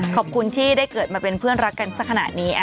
ขอบคุณที่ได้เกิดมาเป็นเพื่อนรักกันสักขนาดนี้